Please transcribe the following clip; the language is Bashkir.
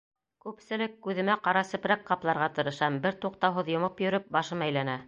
Күпселек күҙемә ҡара сепрәк ҡапларға тырышам, бер туҡтауһыҙ йомоп йөрөп, башым әйләнә.